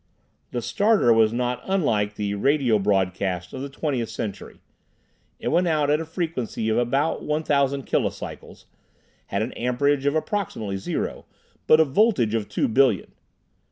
The "starter" was not unlike the "radio" broadcasts of the Twentieth Century. It went out at a frequency of about 1,000 kilocycles, had an amperage of approximately zero, but a voltage of two billion.